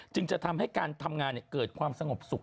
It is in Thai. จึงจะทำให้การทำงานเกิดความสงบสุข